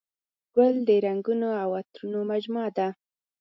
ګل د رنګونو او عطرونو مجموعه ده.